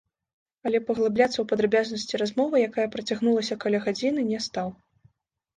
Але паглыбляцца ў падрабязнасці размовы, якая працягнулася каля гадзіны, не стаў.